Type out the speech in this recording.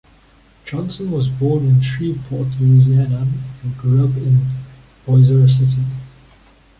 Johnson was born in Shreveport, Louisiana and grew up in Bossier City.